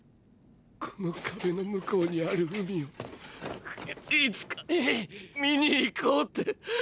この壁の向こうにある海をいつか見に行こうって。